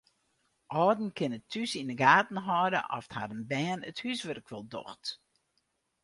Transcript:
Alden kinne thús yn de gaten hâlde oft harren bern it húswurk wol docht.